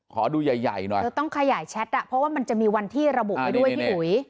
ขอดูใหญ่หน่อยเธอต้องขยายแชทอ่ะเพราะว่ามันจะมีวันที่ระบุไว้ด้วยพี่อุ๋ย